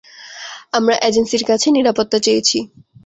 আমরা এজেন্সির কাছে নিরাপত্তা চেয়েছি।